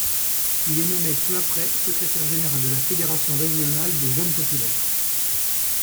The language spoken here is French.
Il est nommé peu après secrétaire général de la fédération régionale des jeunes populaires.